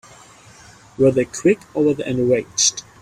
Were they quick or were they enraged?